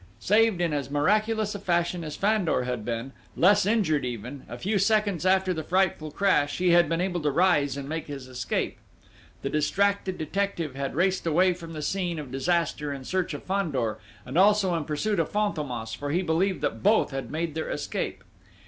Saved in as miraculous a fashion as Fandor had been, less injured even, a few seconds after the frightful crash, he had been able to rise and make his escape. The distracted detective had raced away from the scene of disaster in search of Fandor, and also in pursuit of Fantômas, for he believed that both had made their escape.